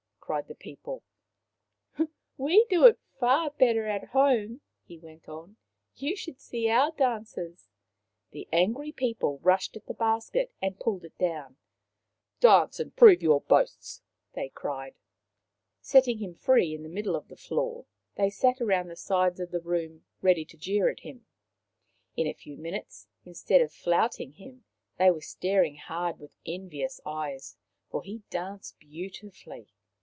" cried the people. " We do it far better at home/' he went on. " You should see our dances !" The angry people rushed at the basket and Tama and His Brother 195 pulled it down. " Dance, and prove your boasts/' they cried. Setting him free in the middle of the floor, they sat round the sides of the room ready to jeer him. In a few minutes, instead of flouting him they were staring hard with envious eyes, for he danced beautifully.